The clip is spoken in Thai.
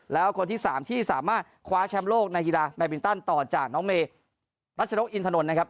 แล้วคนที่๓ที่สามารถคว้าแชมป์โลกในกีฬาแบบินตันต่อจากน้องเมรัชนกอินทนนท์นะครับ